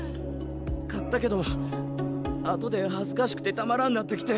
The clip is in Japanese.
勝ったけど後で恥ずかしくてたまらんなってきて。